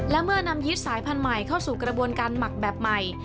และเมื่อนำยึดสายพันธุ์ใหม่เข้าสู่กระบวนการหมักแบบใหม่